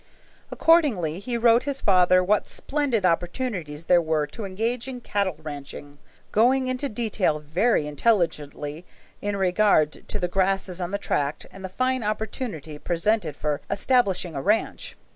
Accordingly he wrote his father what splendid opportunities there were to engage in cattle ranching, going into detail very intelligently in regard to the grasses on the tract and the fine opportunity presented for establishing a ranch.